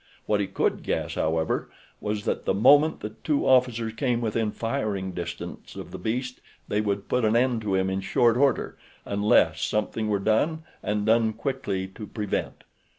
What he could guess, however, was that the moment the two officers came within firing distance of the beast they would put an end to him in short order unless something were done and done quickly to prevent.